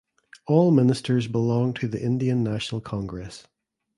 All ministers belonged to the Indian National Congress.